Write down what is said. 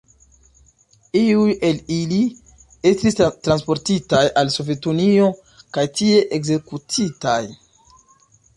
Iuj el ili estis transportitaj al Sovetunio kaj tie ekzekutitaj.